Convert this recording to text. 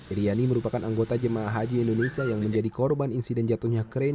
iryani merupakan anggota jemaah haji indonesia yang menjadi korban insiden jatuhnya krain